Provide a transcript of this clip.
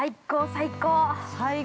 ◆最高。